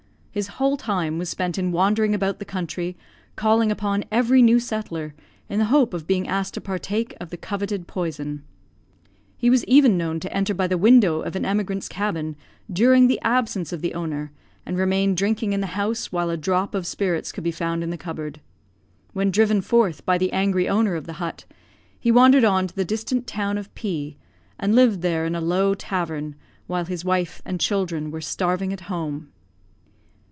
His whole time was spent in wandering about the country, calling upon every new settler, in the hope of being asked to partake of the coveted poison. He was even known to enter by the window of an emigrant's cabin, during the absence of the owner, and remain drinking in the house while a drop of spirits could be found in the cupboard. When driven forth by the angry owner of the hut, he wandered on to the distant town of P , and lived there in a low tavern, while his wife and children were starving at home.